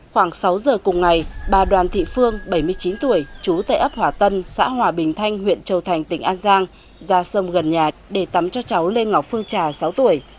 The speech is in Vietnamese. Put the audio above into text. khoảng sáu giờ cùng ngày bà đoàn thị phương bảy mươi chín tuổi chú tại ấp hòa tân xã hòa bình thanh huyện châu thành tỉnh an giang ra sông gần nhà để tắm cho cháu lê ngọc phương trà sáu tuổi